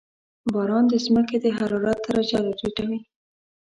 • باران د زمکې د حرارت درجه راټیټوي.